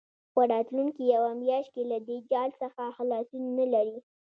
په راتلونکې یوه میاشت کې له دې جال څخه خلاصون نه لري.